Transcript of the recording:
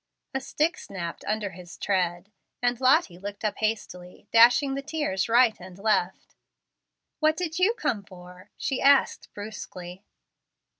A stick snapped under his tread, and Lottie looked up hastily, dashing the tears right and left. "What did you come for?" she asked brusquely.